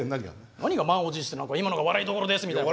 何が満を持して今のが笑いどころですみたいな。